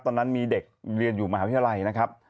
ตอนนั้นมีเด็กเรียนอยู่มหาวิทยาลัยนะครับ